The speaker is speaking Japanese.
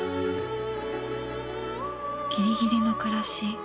ギリギリの暮らし。